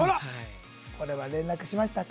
これは連絡しましたか？